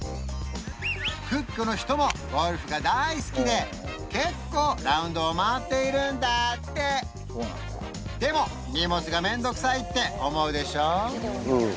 クックの人もゴルフが大好きで結構ラウンドを回っているんだってでも荷物が面倒くさいって思うでしょ？